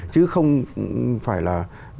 chứ không phải là